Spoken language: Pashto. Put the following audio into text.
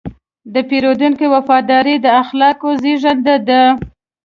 د پیرودونکي وفاداري د اخلاقو زېږنده ده.